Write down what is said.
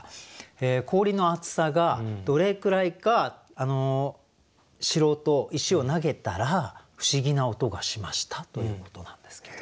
「氷の厚さがどれくらいか知ろうと石を投げたら不思議な音がしました」ということなんですけど。